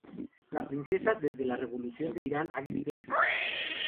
La Princesa desde la Revolución de Irán ha vivido en Suiza.